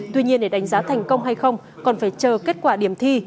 tuy nhiên để đánh giá thành công hay không còn phải chờ kết quả điểm thi